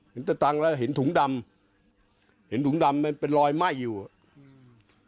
เห็นตะตังแล้วเห็นถุงดำเห็นถุงดำมันเป็นรอยไหม้อยู่อ่ะ